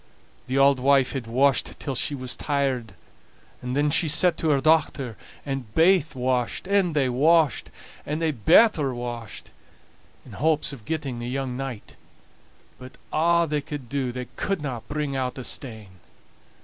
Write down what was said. The auld wife had washed till she was tired, and then she set to her dochter, and baith washed, and they washed, and they better washed, in hopes of getting the young knight; but a' they could do they couldna bring out a stain.